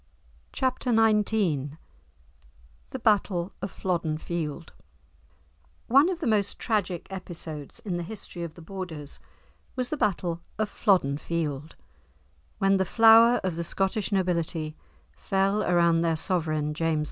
*Chapter XIX* *The Battle of Flodden Field* One of the most tragic episodes in the History of the Borders was the battle of Flodden Field, when the flower of the Scottish nobility fell around their sovereign, James IV.